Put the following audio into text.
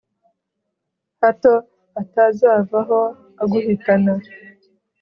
hato atazavaho aguhitana